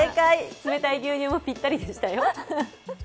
冷たい牛乳もぴったりでしたよ。